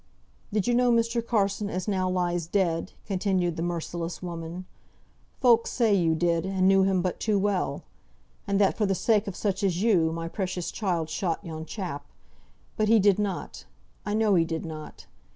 "Did you know Mr. Carson as now lies dead?" continued the merciless woman. "Folk say you did, and knew him but too well. And that for the sake of such as you, my precious child shot yon chap. But he did not. I know he did not.